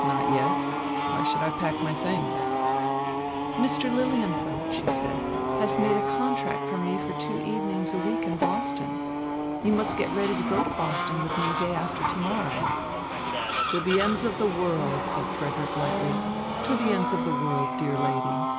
"Not yet. Why should I pack my things?" "Mr. Lilienfeld," she said, "has made a contract for me for two evenings a week in Boston. You must get ready and go to Boston with me day after to morrow." "To the ends of the world," said Frederick lightly, "to the ends of the world, dear lady."